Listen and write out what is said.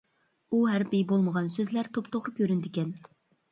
ئۇ ھەرپى بولمىغان سۆزلەر توپتوغرا كۆرۈنىدىكەن.